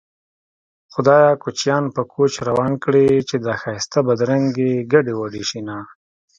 خدايه کوچيان په کوچ روان کړې چې دا ښايسته بدرنګې ګډې وډې شينه